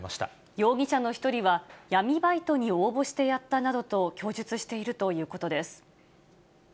容疑者の１人は、闇バイトに応募してやったなどと、供述しているということです。